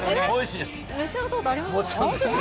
召し上がったことありますか？